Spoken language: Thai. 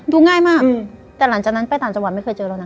ดูง่ายมากแต่หลังจากนั้นไปต่างจังหวัดไม่เคยเจอเรานะ